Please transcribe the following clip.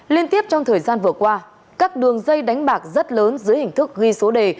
liên tiếp trong thời gian vừa qua các đường dây đánh bạc rất lớn dưới hình thức ghi số đề